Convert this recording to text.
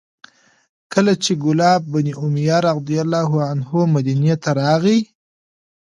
کله چې کلاب بن امیة رضي الله عنه مدینې ته راغی،